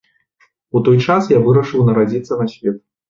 У той час я вырашыў нарадзіцца на свет.